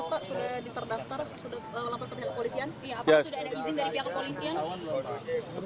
apakah sudah ada izin dari pihak kepolisian